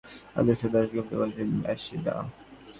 এর মধ্যে অর্পিতা পাল বাংলাদেশি ও আনন্দ দাশ গুপ্ত বালিগঞ্জের বাসিন্দা।